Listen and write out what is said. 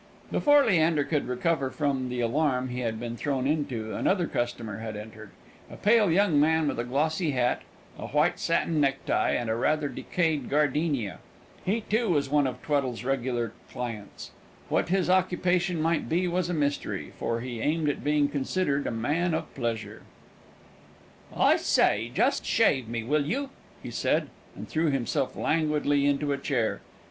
Before Leander could recover from the alarm he had been thrown into, another customer had entered; a pale young man, with a glossy hat, a white satin necktie, and a rather decayed gardenia. He, too, was one of Tweddle's regular clients. What his occupation might be was a mystery, for he aimed at being considered a man of pleasure. "I say, just shave me, will you?" he said, and threw himself languidly into a chair.